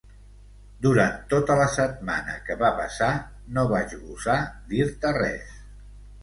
Durant tota la setmana que va passar, no vaig gosar dir-te res.